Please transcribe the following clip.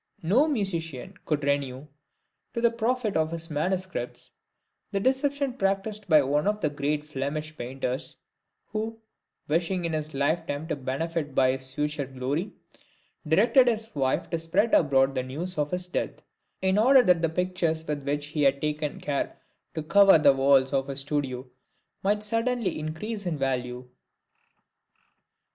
No musician could renew, to the profit of his manuscripts, the deception practiced by one of the great Flemish painters, who, wishing in his lifetime to benefit by his future glory, directed his wife to spread abroad the news of his death, in order that the pictures with which he had taken care to cover the walls of his studio, might suddenly increase in value!